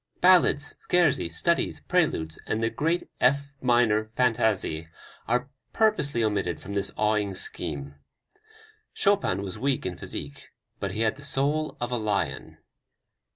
Ballades, Scherzi, Studies, Preludes and the great F minor Fantaisie are purposely omitted from this awing scheme. Chopin was weak in physique, but he had the soul of a lion.